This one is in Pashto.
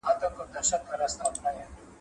منګي يې ټول په ډنډ غوپه کړم